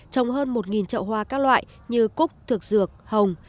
trồng hơn một trậu hoa các loại như cúc thực dược hồng